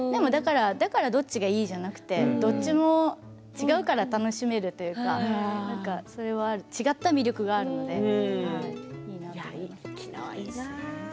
だから、どっちがいいじゃなくてどっちも違うから楽しめるというか違った魅力があるので沖縄、いいな。